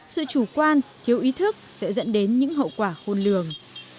sự chủ quan thiếu ý thức sẽ dẫn đến những hậu quả khôn lường